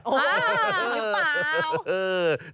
หรือเปล่า